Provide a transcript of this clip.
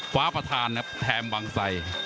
ฝาประธานแถมบังไซ